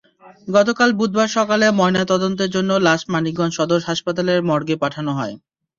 গতকাল বুধবার সকালে ময়নাতদন্তের জন্য লাশ মানিকগঞ্জ সদর হাসপাতাল মর্গে পাঠানো হয়।